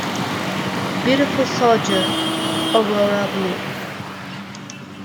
Beautiful Soldier Aurora Blue.